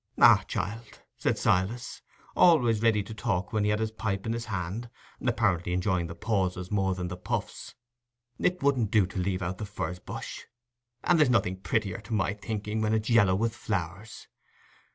"Ah, child," said Silas, always ready to talk when he had his pipe in his hand, apparently enjoying the pauses more than the puffs, "it wouldn't do to leave out the furze bush; and there's nothing prettier, to my thinking, when it's yallow with flowers.